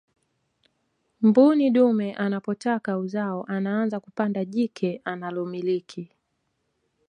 mbuni dume anapotaka uzao anaanza kupanda jike analomiliki